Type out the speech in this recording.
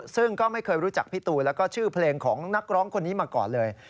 ซึ่งก็ไม่เคยรู้จักพี่ตูนแล้วก็ชื่อเพลงของนักร้องคนนี้มาก่อนเลย